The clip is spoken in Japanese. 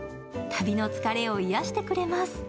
旅の疲れを癒してくれます。